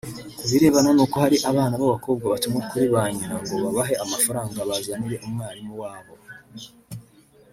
Ku birebana n’uko hari abana b’abakobwa batumwa kuri ba nyina ngo babahe amafaranga bazanire umwarimu wabo